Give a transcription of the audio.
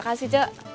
terima kasih cok